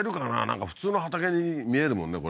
なんか普通の畑に見えるもんね